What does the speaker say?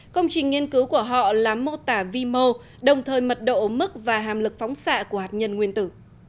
công trình nghiên cứu của họ là mô tả vi mô đồng thời mật độ mức và hàm lực phóng xạ của hạt nhân nguyên tử